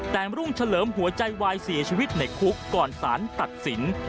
แต่รุ่งเฉลิมหัวใจวายเสียชีวิตในคุกก่อนสารตัดสิน